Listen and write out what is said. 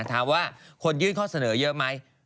ถามว่าคนยื่นข้อเสนอเยอะไหม